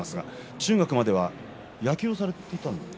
中学までは野球をされていたんですか？